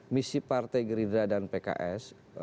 misi partai gerindra dan pks